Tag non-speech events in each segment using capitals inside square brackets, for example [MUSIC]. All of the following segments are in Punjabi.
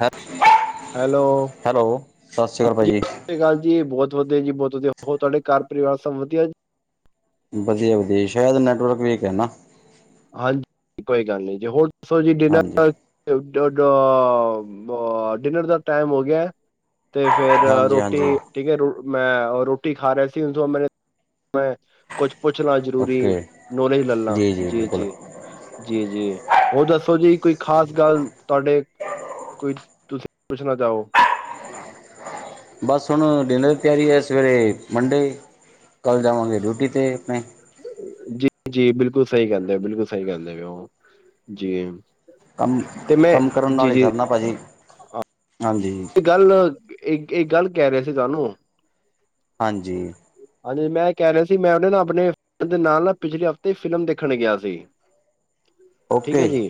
ਹੈ ਹੈਲੋ ਹੈਲੋ ਸਤਿ ਸ਼੍ਰੀ ਅਕਾਲ ਭਾਜੀ ਜੀ। ਸਤਿ੍ ਸ਼੍ਰੀ ਅਕਾਲ ਜੀ ਬਹੁਤ ਵਧੀਆ ਜੀ ਬਹੁਤ ਵਧੀਆ ਹੋਰ ਤੁਹਾਡੇ ਘਰ ਪਰਿਵਾਰ ਸਭ ਵਧੀਆ। ਵਧੀਆ ਵਧੀਆ ਸ਼ਾਇਦ ਨੈਟਵਰਕ ਵੀਕ ਹੈ ਨਾ। ਹਾਂਜੀ ਕੋਈ ਗੱਲ ਨਹੀਂ ਜੀ ਹੋਰ ਦੱਸੋ ਜੀ ਹਾਂਜੀ ਡਿਨਰ ਡਿਨਰ ਦਾ ਟਾਈਮ ਹੋ ਗਿਆ। ਤੇ ਫੇਰ ਹਾਂਜੀ ਰੋਟੀ ਹਾਂਜੀ ਠੀਕ ਹੈ ਮੈਂ ਰੋਟੀ ਖਾ ਰਿਹਾ ਸੀ ਮੈਂ ਦੋ ਮਿੰਟ ਮੈਂ ਕੁਛ ਪੁੱਛਣਾ ਜ਼ਰੂਰੀ ਓਕੇ ਏ ਨੌਲੇਜ ਲੈਲਾ ਜੀ ਜੀ ਜੇ ਬਿਲਕੁਲ ਜੀ ਜੀ ਹੋਰ ਦੱਸੋ ਜੀ ਕੋਈ ਖਾਸ ਗੱਲ ਤੁਹਾਡੇ ਕੋਈ ਤੁਸੀਂ ਪੁੱਛਣਾ ਚਾਹੋ? ਬਸ ਹੁਣ ਡਿਨਰ ਦੀ ਤਿਆਰੀ ਹੈ ਸਵੇਰੇ ਮੰਡੇ ਕੱਲ੍ਹ ਜਾਵਾਂਗੇ ਡਿਊਟੀ 'ਤੇ ਬੈਂਕ ਜੀ ਜੀ ਬਿਲਕੁਲ ਸਹੀ ਗੱਲ ਏ ਬਿਲਕੁਲ ਸਹੀ ਕਹਿੰਦੇ ਉਹ ਜੀ ਕੰਮ ਤੇ ਮੈਂ ਕੰਮ ਕਰਨ ਨਾਲ ਜੀ ਹੀ ਜੀ ਸਰਣਾ ਭਾਜੀ ਹਾਂਜੀ। ਇਹ ਗੱਲ ਇਹ ਇਕ ਗੱਲ ਕਹਿ ਰਹੇ ਸੀ ਤੁਹਾਨੂੰ ਹਾਂਜੀ। ਹਾਂਜੀ ਮੈਂ ਕਹਿ ਰਿਹਾ ਸੀ ਮੈਂ ਉਹੇ ਨਾ ਆਪਣੇ ਦੋਸਤ ਦੇ ਨਾਲ ਨਾ ਪਿਛਲੇ ਹਫ਼ਤੇ ਫਿਲਮ ਦੇਖਣ ਗਿਆ ਸੀ। ਠੀਕ ਹੈ ਓਕੇ ਜੀ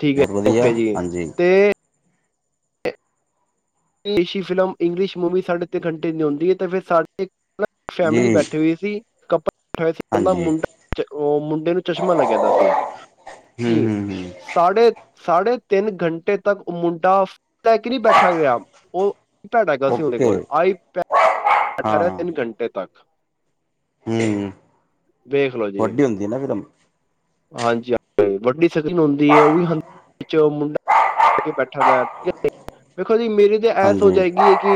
ਠੀਕ ਹੈ ਬਹੁਤ ਵਧੀਆ ਓਕੇ ਜੀ ਹਾਂਜੀ ਤੇ ਏਸ਼ੀ ਫਿਲਮ ਇੰਗਲਿਸ਼ ਮੂਵੀ ਸਾਢੇ ਤਿੰਨ ਘੰਟੇ ਦੀ ਹੁੰਦੀ ਏ ਤੇ ਫਿਰ ਸਾ ਇਕ ਫੈਮਿਲੀ ਜੀ ਬੈਠੀ ਹੋਈ ਸੀ ਕੱਪਲ ਐਦਾ ਹਾਂਜੀ ਮੁੰਡੇ ਉਹ ਮੁੰਡੇ ਨੂੰ ਚਸ਼ਮਾ ਲੱਗਿਆ ਦਾ ਸੀ ਹੂੰ ਹੂੰ ਹੂੰ ਸਾਢੇ ਸਾਢੇ ਤਿੰਨ ਘੰਟੇ ਤੱਕ ਉਹ ਮੁੰਡਾ ਲੈ ਕੇ ਨਹੀਂ ਬੈਠਾ ਗਿਆ, ਉਹ ਆਏ ਪੈਡ ਹੈਗਾ ਸੀ ਉਹਦੇ ਓਕੇ ਕੋਲ ਆਈ ਪੈਡ [INAUDIBLE] ਹਾਂ ਤਿੰਨ ਘੰਟੇ ਤੱਕ ਹੂੰ ਵੇਖ ਲਓ ਜੀ ਵੱਡੀ ਹੁੰਦੀ ਨਾ ਫਿਰ ਉਹ ਹਾਂਜੀ ਹਾਂ ਵੱਡੀ ਸ਼ਗਨ ਹੁੰਦੀ ਹੈ ਉਹ ਵੀ ਹਲ ਵਿੱਚ ਉਹ ਮੁੰਡਾ ਲੈ ਕੇ ਬੈਠਾ ਹੁੰਦਾ ਠੀਕ ਵਖੋ ਜੀ ਮੇਰੀ ਕੀ ਇਹ ਹਾਂਜੀ ਸੋਚੀਏ ਕਿ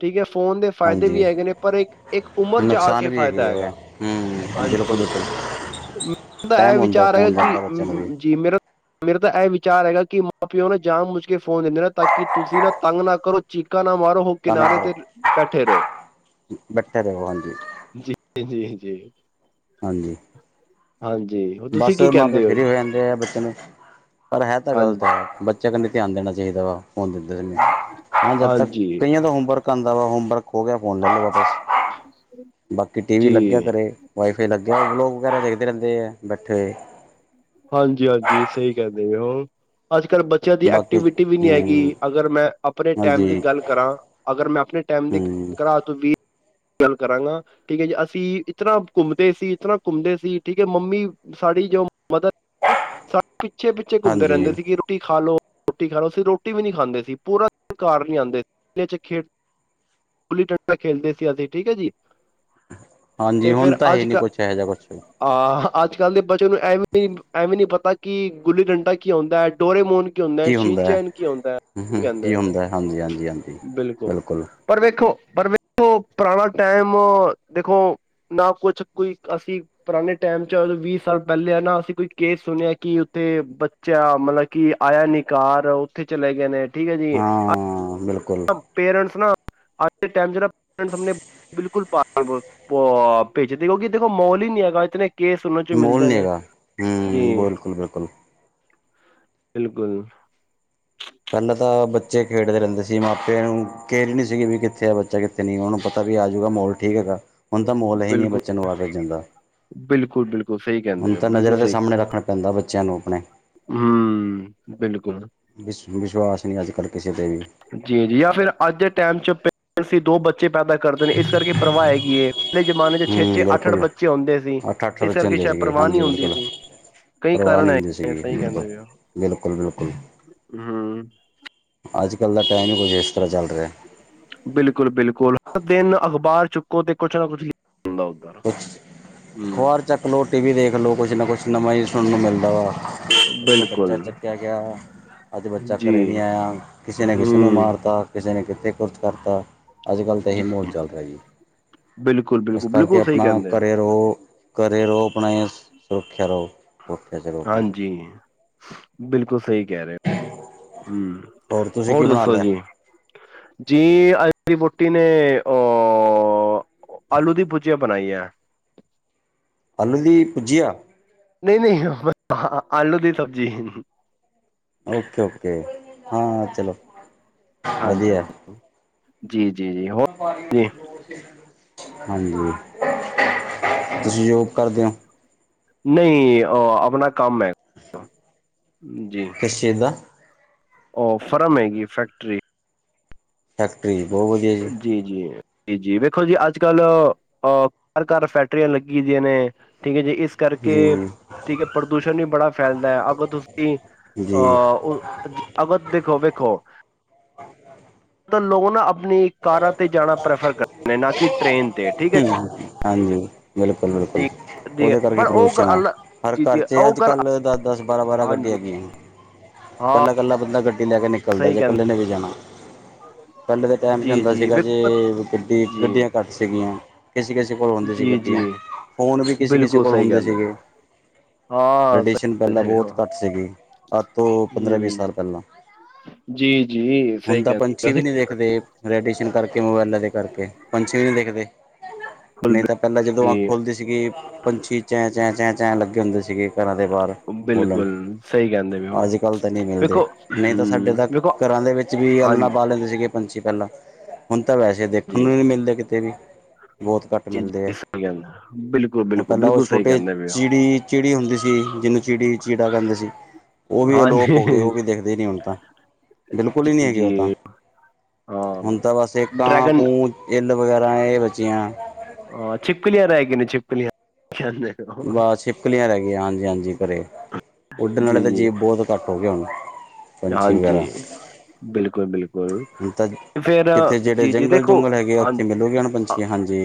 ਠੀਕ ਹੈ ਫੋਨ ਦੇ ਫਾਇਦੇ ਹਾਂਜੀ ਵੀ ਹੈਗੇ ਨੇ ਪਰ ਇੱਕ ਇੱਕ ਉਮਰ ਚ ਆ ਨੁਕਸਾਨ ਕੇ ਵੀ ਫਾਇਦਾ ਹੈਗੇ ਹੈ ਹੈਗਾ ਹੂੰ ਬਿਲਕੁਲ ਹਾਂਜੀ ਬਿਲਕੁਲ ਮੇਰਾ ਤਾਂ ਟਾਈਮ ਇਹ ਹੁੰਦਾ ਵਿਚਾਰ ਹੈਗਾ ਫੋਨ ਦਾ ਕਿ ਹੁੰਦਾ ਬੱਚਿਆਂ ਨੂੰ ਵੀ ਜੀ ਮੇਰਾ ਮੇਰਾ ਤਾਂ ਇਹ ਵਿਚਾਰ ਹੈਗਾ ਕਿ ਮਾਂ ਪਿਓ ਨਾ ਜਾਣ ਬੁਝ ਕੇ ਫੋਨ ਦਿੰਦੇ ਨੇ ਤਾਂ ਕਿ ਤੁਸੀਂ ਨਾ ਤੰਗ ਨਾ ਕਰੋ ਚੀਕਾ ਨਾ ਮਾਰੋ ਉਹ ਤੰਗ ਨਾ ਕਿਨਾਰੇ ਤੇ ਕਰੋ ਬੈਠੇ ਰਹੋ ਬੈਠੇ ਰਹੋ ਹਾਂਜੀ ਜੀ ਜੀ ਜੀ ਹਾਂਜੀ ਹਾਂਜੀ ਹੋਰ ਤੁਸੀਂ ਬਸ ਕੀ ਮਾਂ ਪਿਉ ਕਹਿੰਦੇ ਫਰੀ ਜੀ ਹੋ ਜਾਂਦੇ ਹੈ, ਬੱਚੇ ਨੂੰ ਪਰ ਹੈ ਤਾਂ ਹਾਂਜੀ ਗ਼ਲਤ ਹੈ ਬੱਚਿਆਂ ਕੰਨੀ ਧਿਆਨ ਦੇਣਾ ਚਾਹੀਦਾ ਵਾ ਫੌਨ ਦਿੰਦੇ ਹਨ ਜਦ ਤੱਕ ਹਾਂਜੀ ਕਈਆਂ ਦਾ ਹੋਮਵਰਕ ਦਾ ਵ ਹੋਮਵਰਕ ਹੋ ਗਿਆ ਫੋਨ ਲੈ ਲੋ ਬਾਕੀ ਟੀ ਵੀ ਜੀ ਲੱਗਿਆ ਘਰੇ ਵਾਈਫਾਈ ਲੱਗਿਆ ਹੈ ਵਲੋਗ ਵਗੈਰਾ ਦੇਖਦੇ ਰਹਿੰਦੇ ਆ ਬੈਠੇ ਏ ਹਾਂਜੀ -ਹਾਂਜੀ ਸਹੀ ਕਹਿੰਦੇ ਪਏ ਔ, ਅੱਜ ਕੱਲ ਬ ਬਚੇਆਂ ਦੀ ਬਾਕੀ ਐਕਟੀਵਿਟੀ ਵੀ ਨਹੀਂ ਹੂੰ ਹੈਗੀ, ਅਗਰ ਮੈਂ ਆਪਣੇ ਟਾਈਮ ਦੀ ਹਾਂਜੀ ਗੱਲ ਕਰਾਂ ਅਗਰ ਮੈਂ ਆਪਣੇ ਟਾਈਮ ਦੀ ਹੂੰ ਗੱਲ ਕਰਾ ਤਾਂ ਵੀ ਗੱਲ ਕਰਾਂਗਾ ਠੀਕ ਹੈ ਜੀ, ਅਸੀਂ ਇਤਨਾ ਘੁੰਮਦੇ ਸੀ, ਇਤਨਾ ਘੁੰਮਦੇ ਸੀ, ਠੀਕ ਹੈ ਮੰਮੀ ਸਾਡੀ ਜੋ ਮਦਰ, ਸਾਡੇ ਪਿੱਛੇ ਪਿੱਛੇ ਘੁੰਮਦੇ ਰਹਿੰਦੇ ਹਾਂਜੀ ਸੀ ਕਿ ਰੋਟੀ ਖਾ ਲੋ, ਰੋਟੀ ਖਾ ਲੋ, ਅਸੀਂ ਰੋਟੀ ਵੀ ਨੀ ਖਾਂਦੇ ਸੀ ਪੂਰਾ ਦਿਨ ਘਾਰ ਨੀ ਆਉਂਦੇ ਸੀ ਚ ਖੇਡ ਗੁਲੀ ਡੰਡਾ ਖੇਲਦੇ ਸੀ ਅਸੀਂ, ਠੀਕ ਹੈ ਜੀ ਹਾਂਜੀ ਹੁਣ ਤਾਂ ਹੈ ਹੀ ਨਹੀਂ ਕੁਛ, ਇਹੋ ਜਿਹਾ ਕੁਛ ਆਹ ਅੱਜ ਕੱਲ੍ਹ ਦੇ ਬੱਚੇ ਨੂੰ ਐਵੇਂ, ਐਵੇਂ ਨੀ ਪਤਾ ਕਿ ਗੁੱਲੀ ਡੰਡਾ ਕੀ ਹੌਂਦਾ ਹੈ ਡੋਰੇਮੋਨ ਕੀ ਹੁੰਦਾ ਹੈ, ਸ਼ੀਨ ਚੈਨ ਕੀ ਹੁੰਦਾ, ਕੀ ਹੂੰ ਕਹਿੰਦੇ ਉਹ ਹੁੰਦਾ ਹੈ ਹਾਂਜੀ ਹਾਂਜੀ ਹਾਂਜੀ ਬਿਲਕੁਲ ਪਰ ਵੇਖੋ ਪਰ ਵੇਖੋ ਪੁਰਾਣਾ ਟਾਈਮ ਦੇਖੋ ਨਾ ਕੁਛ ਕੋਈ ਅਸੀਂ ਪੁਰਾਣੇ ਟਾਈਮ ਚ ਜਦੋਂ ਵੀਹ ਸਾਲ ਪਹਿਲੇ, ਐਨਾ ਅਸੀਂ ਕੋਈ ਕੇਸ ਸੁਣਿਆ ਕਿ ਉੱਥੇ ਮਤਲਬ ਕਿ ਆਇਆ ਨੀ ਘਾਰ, ਉੱਥੇ ਚਲੇ ਗਏ ਨੇ, ਠੀਕ ਹੈ ਜੀ ਹਾਂ ਬਿਲਕੁਲ ਪੇਰੈਂਟਸ ਨਾ ਅੱਜ ਦੇ ਟਾਈਮ ਜਿਹੜਾ ਪੇਰੈਂਟਸਂ ਆਪਣੇ ਬਿਲਕੁਲ ਬਾਹਰ ਕਿਉ ਭੇਜ ਦੇ ਔ, ਕਿਉਂਕਿ ਦੇਖੋ ਮਾਹੌਲ ਹੀ ਨਹੀਂ ਹੈਗਾ ਇਤਨੇ ਕੇਸ ਸੁਣਣ ਚ ਮੋਲ ਮਿਲਦੇ ਨਹੀਂ ਨੇ ਹੈਗਾ ਜੀ ਹੂੰ ਬਿਲਕੁਲ ਬਿਲਕੁਲ ਬਿਲਕੁਲ ਪਹਿਲਾਂ ਤਾਂ ਬੱਚੇ ਖੇਡਦੇ ਰਹਿੰਦੇ ਸੀ, ਮਾਪਿਆਂ ਨੂੰ ਕਹਿੜ ਹੀ ਨਹੀਂ ਸੀ ਵੀ ਕਿੱਥੇ ਆ ਬੱਚਾ ਕਿਥੇ ਤੇ ਨਹੀਂ, ਹੁਣ ਔਨੂੰ ਪਤਾ ਵੀ ਆ ਜੂਗਾ ਮਾਹੌਲ ਠੀਕ ਹੈਗਾ ਹੁਣ ਤਾਂ ਮਾਹੌਲ ਹੈ ਹੀ ਨਹੀਂ ਬਿਲਕੁਲ ਬੱਚਿਆਂ ਨੂੰ ਬਾਹਰ ਭੇਜਣ ਦਾ, ਬਿਲਕੁਲ ਬਿਲਕੁਲ ਸਹੀ ਕਹਿੰਦੇ ਹੁਣ ਪਏ ਤਾਂ ਬਿਲਕੁਲ ਨਜ਼ਰਾਂ ਦੇ ਸਾਹਮਣੇ ਰੱਖਣਾ ਪੈਂਦਾ ਬੱਚਿਆਂ ਨੂੰ ਆਪਣੇ ਹੂ ਬਿਲਕੁਲ ਵਿਸ਼ ਵਿਸ਼ਵਾਸ ਨਹੀਂ ਅੱਜ ਕੱਲ੍ਹ ਕਿਸੇ ਤੇ ਵੀ ਜੀ ਜੀ ਜਾਂ ਫਿਰ ਅੱਜ ਦੇ ਟਾਈਮ ਚ ਪੇਰੈਂਟਸ ਹੀ ਦੋ ਬੱਚੇ ਪੈਦਾ ਕਰਦੇ ਨੇ, ਇਸ ਕਰਕੇ ਪ੍ਰਵਾਹ ਹੈਗੀ ਏ ਪਹਿਲੇ ਜ਼ਮਾਨੇ ਚ ਛੇ ਹੂੰ ਛੇ ਅੱਠ ਅੱਠ ਬਿਲਕੁਲ ਬੱਚੇ ਹੁੰਦੇ ਸੀ, ਅੱਠ ਅੱਠ ਇਸ ਬੱਚੇ ਕਰਕੇ ਹੁੰਦੇ ਸ਼ਾਇਦ ਸੀਗੇ ਪਰਵਾਹ ਨਹੀਂ ਹਾਂਜੀ ਹੁੰਦੀ ਬਿਲਕੁਲ ਸੀ ਕਈ ਪਰਵਾਹ ਕਾਰਨ ਨਹੀਂ ਹੈ ਹੁੰਦੀ ਸੀਗੀ ਸਹੀ ਬਿਲਕੁਲ ਕਹਿੰਦੇ ਪਏ ਹੋ, ਬਿਲਕੁਲ ਬਿਲਕੁਲ ਹੂ ਅੱਜ ਕੱਲ ਦਾ ਟਾਈਮ ਹੀ ਕੁੱਝ ਇਸ ਤਰ੍ਹਾਂ ਚੱਲ ਰਿਹਾ ਬਿਲਕੁਲ- ਬਿਲਕੁਲ, ਹਰ ਦਿਨ ਅਖ਼ਬਾਰ ਚੁੱਕੋ ਤੇ ਕੁਛ ਨਾ ਕੁਛ ਹ ਕੁਛ ਅਖ਼ਬਾਰ ਚੱਕ ਲਓ, ਟੀ ਵੀ ਦੇਖ ਲਓ, ਕੁਛ ਨਾ ਕੁਛ ਨਵਾਂ ਹੀ ਸੁਣਨ ਨੂੰ ਮਿਲਦਾ ਵਾ ਔਥੋ ਬੱਚਾ ਬਿਲਕੁਲ ਚੱਕਿਆ ਗਿਆ ਅੱਜ ਬੱਚਾ ਘਰ ਜੀ ਨਹੀਂ ਆਇਆ, ਕਿਸੇ ਨੇ ਕਿਸੇ ਨੂੰ ਹੂੰ ਮਾਰਤਾ ਕਿਸੇ ਨੇ ਕਿੱਥੇ ਕੁਛ ਕਰਤਾ ਅੱਜ ਕਲ ਤਾਂ ਇਹੀ ਜੀ ਮਾਹੌਲ ਚੱਲ ਰਿਹਾ ਜੀ ਬਿਲਕੁਲ, ਇਸ ਬਿਲਕੁਲ ਕਰਕੇ ਬਿਲਕੁਲ ਸਹੀ ਆਪਣਾ ਕਹਿੰਦੇ ਘਰ ਹੋ ਰਹੋ, ਘਰ ਰਹੋ ਆਪਣਾ ਸੋਖੇ ਰਹੋ ਸੁਰੱਖਿਆ 'ਚ ਰਹੋ ਆਪਣਾ ਹਾਂਜੀ ਬਿਲਕੁਲ ਸਹੀ ਕਹਿ ਰਹੇ ਹੋ ਹੂ ਤੁਸੀਂ ਕੀ ਹੋਰ ਬਣਾ ਦੱਸੋ ਲਿਆ ਜੀ ਜੀ ਅਜ ਵੀ ਵੋਟੀ ਨੇ ਓ ਆਲੂ ਦੀ ਭੁਜੀਆਂ ਬਣਾਈ ਹੈ ਆਲੂ ਦੀ ਭੁਜੀਆਂ ਨਹੀਂ, ਨਹੀਂ ਆਲੂ ਦੀ ਸਬਜ਼ੀ ਓਕੇ, ਓਕੇ ਹਾਂ ਚਲੋ ਹਾਂਜੀ ਹਾਂ ਜੀ, ਜੀ, ਜੀ ਹੋਰ ਬਾਰੀ ਜੀ ਦੋ [UNINTELLIGIBLE] ਹਾਂਜੀ ਤੁਸੀਂ ਜੋਬ ਕਰਦੇ ਓ। ਨਈ ਆਪਣਾ ਕੰਮ ਐ ਜੀ। ਕਿਸ ਚੀਜ ਦਾ। ਓ ਫਰਮ ਹੈਗੀ ਫੈਕਟਰੀ। ਫੈਕਟਰੀ ਬੋ ਵਧੀਆ। ਜੀ, ਜੀ। ਜੀ, ਜੀ ਵੇਖੋ ਜੀ ਅੱਜ ਕੱਲ ਅ ਹਰ ਘਰ, ਫੈਕਟਰੀਆਂ ਲੱਗੀ ਦੀਆਂ ਨੇ ਠੀਕ ਐ ਜੀ ਇਸ ਕਰਕੇ ਜੀ ਠੀਕ ਐ ਪ੍ਰਦੂਸ਼ਣ ਵੀ ਬੜਾ ਫੈਲਦਾ ਅਗਰ ਤੁਸੀਂ ਜੀ ਆ ਜੀ ਅਗਰ ਦੇਖੋ, ਵੇਖੋ ਲੋਕ ਨਾ ਆਪਣੀ। ਕਾਰਾਂ ਤੇ ਜਾਣਾ ਪ੍ਰੈਫਰ ਕਰਦੇ ਨੇ ਨਾ ਕਿ ਟ੍ਰੇਨ ਤੇ ਠੀਕ ਹੈ ਹੂੰ ਹਾਂਜੀ। ਬਿਲਕੁਲ, ਬਿਲਕੁਲ। ਜੀ ਜੀ ਓਦੇ ਕਰਕੇ ਪਰ ਉਹ ਪ੍ਰਦੂਸ਼ਣ ਐ ਗੱਲ ਹਰ ਜੀ ਘਰ ਜੀ ਚ ਉਹ ਅੱਜ ਗੱਲ ਕਲ ਦਸ, ਦਸ ਬਾਰਾਂ, ਬਾਰਾਂ ਗੱਡੀ ਹਾਂਜੀ ਹੈਗੀਆਂ। ਹਾਂ ਕੱਲਾ ਕੱਲਾ ਬੰਦਾ ਗੱਡੀ ਲੈ ਕੇ ਨਿਕਲਦਾ ਸਹੀ ਜੇ ਕਹਿੰਦੇ ਇਕੱਲੇ ਨੇ ਵੀ ਜਾਣਾ। ਪੈਲੇ ਦੇ ਟਾਈਮ ਚ ਜੀ ਹੁੰਦਾ ਜੀ ਸੀਗਾ ਜੇ ਵੇਖੋ ਗੱਡੀ ਜੀ ਗੱਡੀਆਂ ਘੱਟ ਸੀਗੀਆਂ। ਕਿਸੇ ਕਿਸੇ ਕੋਲ ਹੁੰਦੇ ਸੀ ਜੀ ਜੀ ਗੱਡੀਆਂ ਫੋਨ ਵੀ ਕਿਸੇ ਕਿਸੇ ਬਿਲਕੁਲ ਕੋਲ ਸਹੀ ਹੁੰਦੇ ਕਹਿੰਦੇ ਹੋ। ਸੀਗੇ। ਹਾਂ ਰਡੀਏਸ਼ਨ ਸਹੀ ਪੈਲਾਂ ਕਹਿੰਦੇ ਬੋਤ ਘੱਟ ਸੀਗੀ ਅੱਜ ਤੋਂ ਪੰਦਰਾਂ ਵੀਹ ਹਮ ਸਾਲ ਪੈਲਾਂ। ਜੀ ਜੀ ਹੁਨ ਸਹੀ ਤਾਂ ਕਹਿੰਦੇ ਪੰਛੀ ਵੈਸੇ ਵੀ ਨੀ ਦਿਖਦੇ। ਰੇਡੀਏਸ਼ਨ ਕਰਕੇ ਮੋਬਾਇਲਾਂ ਦੇ ਕਰਕੇ ਪੰਛੀ ਵੀ ਨੀ ਦਿਖਦੇ। ਨਹੀਂ ਬਿਲਕੁਲ ਤਾਂ ਪੈਲਾਂ ਜਦੋਂ ਅੱਖ ਖੁਲਦੀ ਸੀਗੀ ਪੰਛੀ ਚੈ, ਚੈ, ਚੈ ਲੱਗੇ ਹੁੰਦੇ ਸੀਗੇ ਘਰਾਂ ਦੇ ਬਾਹਰ। ਬੋਲਣ ਬਿਲਕੁਲ ਸਹੀ ਕਹਿੰਦੇ ਪਏ ਹੋ ਅੱਜ ਕੱਲ ਤਾਂ ਨੀ ਮਿਲਦੇ ਵੇਖੋ ਨੀ ਤਾਂ ਸਾਡੇ ਹਮ ਤਾਂ ਵੇਖੋ ਘਰਾਂ ਦੇ ਵਿੱਚ ਵੀ ਅਲਣਾ ਹਾਂਜੀ ਪਾ ਲੈਂਦੇ ਸੀਗੇ ਪੰਛੀ ਪੈਲਾਂ। ਹੁਨ ਤਾਂ ਵੈਸੇ ਦੇਖਣ ਨੂੰ ਨੀ ਮਿਲਦੇ ਕਿਤੇ ਵੀ। ਬੋਤ ਘੱਟ ਜੀ ਮਿਲਦੇ ਐ ਜੀ ਸਹੀ ਕਹਿੰਦੇ ਬਿਲਕੁਲ ਉਹ ਬਿਲਕੁਲ ਪੈਲਾਂ ਓ ਬਿਲਕੁਲ ਸਹੀ ਛੋਟੇ ਕਹਿੰਦੇ ਪਏ ਹੋ ਚਿੜੀ। ਚਿੜੀ ਹੁੰਦੀ ਸੀ ਜਿਨੂੰ ਚਿੜੀ ਚਿੜਾ ਕਹਿੰਦੇ ਸੀ। ਓ ਵੀ ਅਲੋਪ ਹਾਂਜੀ ਹੋਗੇ ਓ ਵੀ ਦਿਖਦੇ ਨੀ ਹੁਨ ਤਾਂ ਬਿਲਕੁਲ ਈ ਨੀ ਜੀ ਹੈਗੇ ਓ ਜੀ ਤਾਂ। ਹਾਂ ਹੁਨ ਤਾਂ ਬਸ ਏ ਕਾਂ ਡਰੈਗਨ ਕੂੰ ਇਲ ਵਗੈਰਾ ਏ ਬਚੀਆਂ। ਅ ਛਿੱਪਕਲੀਆਂ ਰੈ ਗਈਆਂ ਨੇ ਛਿੱਪਕਲੀਆਂ ਕੈਦੇ। ਵਾ ਛਿਪਕਲੀਆਂ ਰੈ ਗਈਆਂ ਹਾਂਜੀ, ਹਾਂਜੀ ਘਰੇ ਉੱਡਣ ਆਲੇ ਜੀ ਤਾਂ ਜੀ ਜੀਵ ਬੋਤ। ਘੱਟ ਹੋਗੇ ਹੁਨ। ਹਾਂਜੀ। ਬਿਲਕੁਲ ਬਿਲਕੁਲ ਹੁਣ ਤਾਂ ਫਿਰ ਕਿਤੇ ਜਿਹੜੇ ਜੀ, ਜੀ ਜੰਗਲ ਦੇਖੋ ਜੁੰਗਲ ਹੈਗੇ ਆ ਹਾਂ, ਉੱਥੇ ਮਿਲੋਗੇ ਹੁਣ ਪੰਛੀ ਹਾਂਜੀ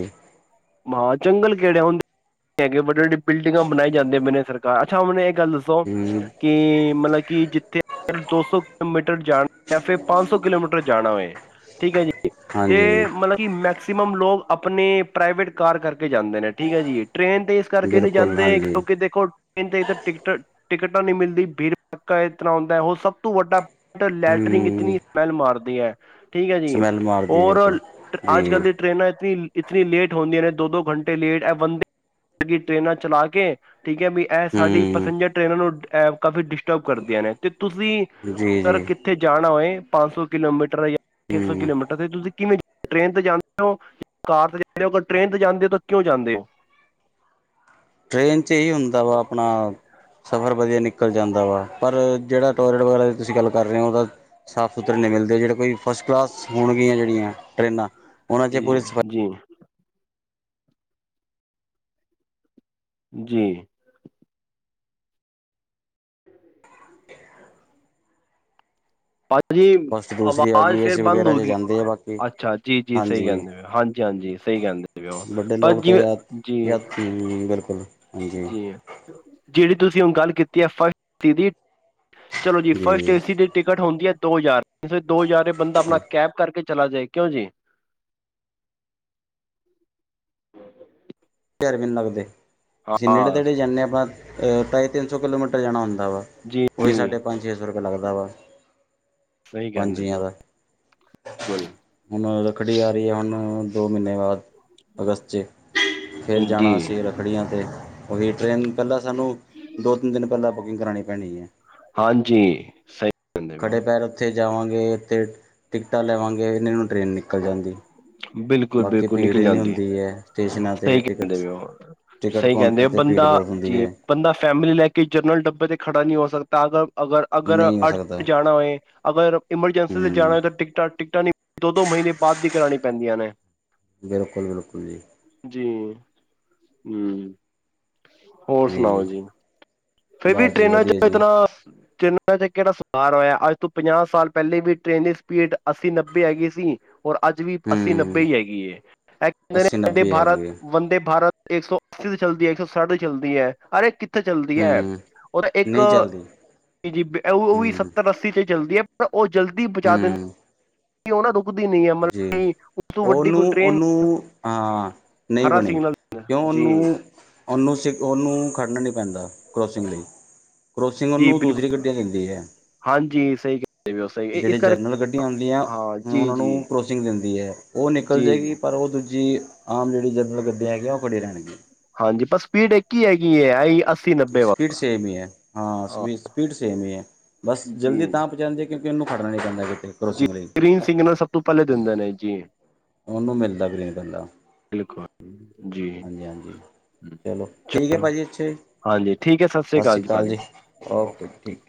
ਮਾ ਜੰਗਲ ਕਿਹੜੇ ਹੁੰਦੇ ਹੈਗੇ ਵੱਡੇ ਵੱਡੀ ਬਿਲਡਿੰਗਾਂ ਬਣਾਈ ਜਾਂਦੇ ਨੇ ਸਰਕਾਰ ਅੱਛਾ ਮੈਨੂੰ ਇਕ ਗੱਲ ਦੱਸੋ? ਹੂੰ ਕਿ ਮਤਲਬ ਕਿ ਜਿੱਥੇ ਦੋ ਸੌ ਕਿਲੋਮੀਟਰ ਜਾਣਾ। ਜਾਂ ਫਿਰ ਪੰਨ ਸੌ ਕਿਲੋਮੀਟਰ ਜਾਣਾ ਹੋਏ ਠੀਕ ਐ ਜੀ ਹਾਂਜੀ ਤੇ ਮਤਲਬ ਕਿ ਮੈਕਸੀਮਮ ਲੋਕ ਆਪਣੇ ਪ੍ਰਾਈਵੇਟ ਕਾਰ ਕਰਕੇ ਜਾਂਦੇ ਨੇ। ਠੀਕ ਐ ਜੀ ਟ੍ਰਰੇਨ ਤੇ ਇਸ ਕਰਕੇ ਨੀ ਬਿਲਕੁਲ ਜਾਂਦੇ ਹਾਂਜੀ ਕਿਉਂਕਿ ਦੇਖੋ, ਤੇ ਇ ਟਿਕਟ, ਟਿਕਟਾਂ ਨੀ ਮਿਲਦੀ ਭੀੜ ਭੜੱਕਾ ਇਤਨਾ ਹੁੰਦਾ ਹੁਨ ਸਭ ਤੋਂ ਵੱਡਾ, ਲੈਟਰਿੰਗ ਹੂੰ ਇਤਨੀ ਸਮੈਲ ਮਾਰਦੀ ਐ। ਠੀਕ ਐ ਜੀ, ਸਮੈਲ ਮਾਰਦੀ ਔਰ ਬਿਲਕੁਲ ਜੀ ਅੱਜ ਕੱਲ ਦੀ ਟ੍ਰਰੇਨਾਂ ਵਿੱਚ ਵੀ। ਇਤਨੀ ਲੇਟ ਹੁੰਦੀਆਂ ਨੇ ਦੋ-ਦੋ ਗਾਂਟੇ ਲੇਟ ਐ ਵੰਦਗੀ ਟ੍ਰੇਨਾਂ ਚਲਾ ਕੇ ਠੀਕ ਐ ਵੀ, ਐ ਸਾਡੀ ਹੂੰ ਪੈਸੇਜਰ ਟ੍ਰੇਨਾਂ ਨੂੰ ਅ ਕਾਫੀ ਡਿਸਟਰਬ ਕਰਦੀਆਂ ਨੇ ਤੇ ਤੁਸੀਂ, ਜੀ ਜੀ ਕਿੱਥੇ ਜਾਣਾ ਹੋਏ ਪੰਨ ਸੌ ਕਿਲੋਮੀਟਰ ਜਾਂ ਛੇ ਸੌ ਹੂੰ ਕਿਲੋਮੀਟਰ ਤੇ ਤੁਸੀਂ ਕਿਵੇਂ ਟ੍ਰੇਨ ਤੇ ਜਾਂਦੇ ਹੋ? ਕਾਰ ਤੇ ਜਾਂਦੇ ਓ ਅਗਰ ਟ੍ਰੇਨ ਤੇ ਜਾਂਦੇ ਓ ਤਾਂ ਕਿਉਂ ਜਾਂਦੇ ਓ? ਟ੍ਰੇਨ ਚ ਏ ਹੁੰਦਾ ਵਾ ਆਪਣਾ ਸਫ਼ਰ ਵਧੀਆ ਨਿਕਲ ਜਾਂਦਾ ਵਾ ਪਰ ਜੇੜਾ ਟੋਇਲੇਟ ਵਗੈਰਾ ਦੀ ਤੁਸੀ ਗੱਲ ਕਰ ਰੇ ਓ ਓਦਾ ਸਾਫ਼ ਸੁਥਰੇ ਨਈ ਮਿਲਦੇ, ਜੇੜੇ ਕੋਈ ਫਸਟ ਕਲਾਸ ਹੋਣਗੀਆਂ ਜੇੜੀਆਂ ਟਰੇਨਾਂ ਜੀ ਜੀ, ਜੀਂ ਜੀ ਜੀ ਫਸਟ ਦੂਸਰੀ ਆ ਆਵਾਜ ਗਈ ਫੇਰ ਏਸੀ ਬੰਦ ਵਗੈਰਾ ਹੋ 'ਚ ਗਈ ਜਾਂਦੇ ਆ ਬਾਕੀ ਅੱਛਾ ਜੀ- ਜੀ ਸਈ ਹਾਂਜੀ ਕੈਂਦੇ ਹਾਂਜੀ -ਹਾਂਜੀ ਸਈ ਕੈਂਦੇ। ਪਰ ਜਿਵੇ ਜੀ ਹੁੰ ਬਿਲਕੁਲ। ਹਾਂਜੀ ਜੀ ਜੇੜੀ ਤੁਸੀ ਹੁਣ ਗੱਲ ਕੀਤੀ ਆ ਫਸਟ ਦੀ ਚਲੋ ਜੀ ਫਸਟ ਏ ਸੀ ਦੀ ਟਿਕਟ ਹੁੰਦੀ ਆ ਦੋ ਹਜਾਰ ਤੁਸੀ ਦੋ ਜ਼ਾਰ ਬੰਦਾ ਆਪਨਾ ਹਜ਼ਾਰ ਕੈਬ ਕਰਕੇ ਚਲਾ ਜਾਏ ਕਿਉਂ ਜੀ! ਜਾਰ ਵੀ ਨੀ ਲੱਗਦੇ ਹਾਂ ਅਸੀ ਨੇੜੇ -ਤੇੜੇ ਜਾਨੇ ਆ ਆਪਣਾ ਅ ਢਾਈ ਤਿੰਨ ਸੌ ਕਿਲੋਮੀਟਰ ਜਾਣਾ ਹੁੰਦਾ ਵਾ ਜੀ ਓਈ ਜੀ ਸਾਡੇ ਪੰਜ ਛੇ ਸੌ ਰੁਪਇਆ ਲੱਗਦਾ ਵਾ। ਸਹੀ ਪੰਜ ਕਹਿੰਦੇ ਪਏ ਜੀਆਂ ਹੋ ਦਾ। ਬਿਲਕੁਲ ਹੁਨ ਰੱਖੜੀ ਆ ਰੀ ਆ ਮੰਨੋ ਦੋ ਮੀਨੇ ਬਾਅਦ ਅਗਸਤ 'ਚ। ਫਿਰ ਜਾਣਾ ਜੀ ਅਸੀ ਰੱਖੜੀਆਂ ਤੇ ਓਦੀ ਟ੍ਰੇਨ ਪੈਲਾ ਸਾਨੂੰ ਦੋ ਤਿੰਨ ਦਿਨ ਪੈਲਾ ਬੁਕਿੰਗ ਕਰਾਣੀ ਪੈਣੀ ਐ। ਹਾਂਜੀ। ਸਹੀ ਕਹਿੰਦੇ ਪਏ ਹੋ ਖੜ੍ਹੇ ਪੈਰ ਓਥੇ ਜਾਵਾਂਗੇ ਤੇ ਟਿਕਟਾਂ ਲਵਾਂਗੇ ਇਨੇ ਨੂੰ ਟ੍ਰੇਨ ਨਿਕਲ ਜਾਂਦੀ। ਬਿਲਕੁਲ, ਬਿਲਕੁਲ ਨਿਕਲ ਜਾਂਦੀ। ਐ ਤੇ ਸਈ ਟਿਕਟ ਕੈਂਦੇ ਪੇ ਓ, ਟਿਕਟ ਸਈ ਕਾਊਂਟਰ ਕੈਂਦੇ 'ਤੇ ਭੀੜ ਬੰਦਾ ਬਹੁਤ ਹੁੰਦੀ ਜੀ। ਹੈ ਬੰਦਾ ਫੈਮਿਲੀ ਲੈ ਕੇ ਜਨਰਲ ਡੱਬੇ ਤੇ ਖੜਾ ਨੀ ਹੋ ਸਕਦਾ [UNINTELLIGIBLE] ਅਗਰ, ਅਗਰ ਨਹੀਂ ਹੋ ਸਕਦਾ ਅਰਜ--ਟ ਜਾਣਾ ਹੋਏ ਅਗਰ ਐਮਰਜੈਂਸੀ ਤੇ ਜਾਣਾ ਹੂੰ ਹੋਏ ਤਾ ਟਿਕਟਾਂ- ਟਿਕਟਾਂ ਨਈ ਦੋ- ਦੋ ਮਹੀਨੇ ਬਾਅਦ ਦੀ ਕਰਾਣੀ ਪੈਂਦੀਆਂ ਨੇ। ਬਿਲਕੁਲ, ਬਿਲਕੁਲ ਜੀ। ਜੀ, ਹੁੰ ਹੋਰ ਸੁਣਾਓ ਜੀ? ਫੇਰ ਵੀ ਬਸ ਜੀ ਟ੍ਰੇਨਾਂ ਵਧੀਆ ਚੋ ਜੀ ਇਤਨਾ ਤੇਨ ਤੇ ਕੇੜਾ ਸੁਧਾਰ ਹੋਇਆ ਅੱਜ ਤੋਂ ਪੰਜਾਹ ਸਾਲ ਪੈਲੇ ਵੀ ਟ੍ਰੇਨ ਦੀ ਸਪੀਡ ਅੱਸੀ ਨੱਬੇ ਹੈਗੀ ਸੀ ਔਰ ਅੱਜ ਵੀ ਅੱਸੀ ਨੱਬੇ ਹੂੰ ਈ ਹੇਗੀ ਏ, ਐ ਕੈਂਦੇ ਨੇ ਅੱਸੀ ਵੰਦੇ ਨੱਬੇ ਭਾਰਤ, ਹੈਗੀ ਹੈ ਵੰਦੇ ਭਾਰਤ ਇੱਕ ਸੌ ਅੱਸੀ ਤੇ ਚੱਲਦੀ ਐ ਇੱਕ ਸੌ ਸੱਠ ਦੀ ਚੱਲਦੀ ਐ ਅਰੇ ਕਿੱਥੇ ਚੱਲਦੀ ਐ। ਹੂੰ ਔਰ ਇੱਕ ਨਹੀਂ ਚੱਲਦੀ ਜੀਬ ਓ ਵੀ ਹੂੰ ਸੱਤਰ ਅੱਸੀ ਤੇ ਚੱਲਦੀ ਐ। ਓ ਜਲਦੀ ਪੁਚਾ ਦਿੰ ਹੂੰ ਓ ਨਾ ਰੁਕਦੀ ਨੀ ਐ ਜੀ ਮਤਲਬ ਉਸ ਤੋਂ ਵੱਡੀ ਉਹਨੂੰ ਕੋਈ ਟ੍ਰੇਨ ਉਹਨੂੰ ਹਾਂ ਹਰਾ ਸਿਗਨਲ ਜੀ। ਓਨੂੰ ਸ ਓਨੂੰ ਖੜ੍ਹਨਾ ਨੀ ਪੈਂਦਾ ਕਰੋਸਿੰਗ ਲਈ। ਕਰੋਸਿੰਗ ਜੀ ਓਨੂੰ ਦੂਸਰੀ ਬਿਲਕੁਲ ਗੱਡੀਆ ਦੇਂਦੀ ਐ। ਹਾਂਜੀ ਸਹੀ ਕਹਿੰਦੇ ਪਏ ਹੋ ਸਹੀ ਜੇੜੀ ਇਸ ਕਰਕੇ ਜਰਨਲ ਗੱਡੀਆਂ ਹੁੰਦੀਆ ਹਾਂ ਜੀ ਉਨਾ ਜੀ ਨੂੰ ਕੋਚਿੰਗ ਦਿੰਦੀ ਐ ਓ ਨਿਕਲ ਜੀ ਜੀ ਜੇਗੀ ਪਰ ਓ ਦੂਜੀ ਆਮ ਜੇੜੀ ਜਰਨਲ ਗੱਡੀਆਂ ਹੈਗੀਆਂ ਓ ਖੜ੍ਹੀ ਰੈਣਗੀ। ਹਾਂਜੀ, ਪਰ ਸਪੀਡ ਇੱਕ ਈ ਹੈਗੀ ਐ ਆ ਈ ਅਸ ਸਪੀਡ ਸੇਮ ਈ ਐ, ਹਾਂ ਸਪੀਡ ਸੇਮ ਈ ਐ ਬਸ ਜੀ ਜਲਦੀ ਤਾਂ ਪਹੁੰਚਾਂਦੀ ਕਿਉਂਕੀ ਉਨੂੰ ਖੜਨਾ ਨੀ ਪੈਂਦਾ ਗੱਡੀ ਜੀ ਕਰੋਸਿੰਗ ਲਈ। ਗ੍ਰੀਨ ਸਿਗਨਲ ਸਭ ਤੋਂ ਪਹਿਲੇ ਦਿੰਦੇ ਨੇ ਜੀ ਉਨੂੰ ਮਿਲਦਾ ਗ੍ਰੀਨ ਆਲਾ। ਬਿਲਕੁਲ ਜੀ। ਚਲੋ ਠੀਕ ਐ ਚਲੋ ਭਾਜੀ ਅੱਛਾ ਜੀ, ਹਾਂਜੀ ਠੀਕ ਹੈ ਸਤਿ ਸ੍ਰੀ ਅਕਾਲ ਸਾਸਰੀਕਾਲ ਜੀ, ਭਾਜੀ ਓਕੇ ਠੀਕ।